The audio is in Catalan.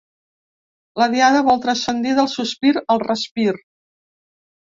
La Diada vol transcendir del sospir al respir.